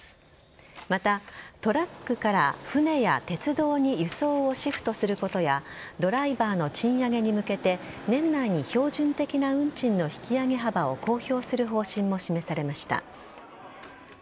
また、トラックから船や鉄道に輸送をシフトすることやドライバーの賃上げに向けて年内に標準的な運賃の引き上げ幅を公表する方針も示されました。